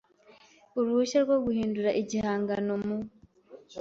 uruhushya rwo guhindura igihangano mu